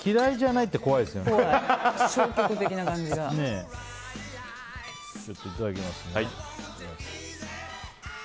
いただきますね。